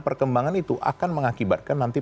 perkembangan itu akan mengakibatkan nanti